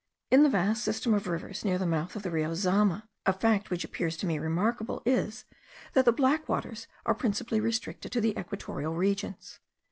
In the vast system of rivers near the mouth of the Rio Zama, a fact which appears to me remarkable is, that the black waters are principally restricted to the equatorial regions.